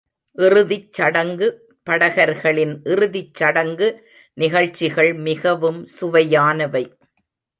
இறுதிச் சடங்கு படகர்களின் இறுதிச்சடங்கு நிகழ்ச்சிகள் மிகவும் சுவையானவை.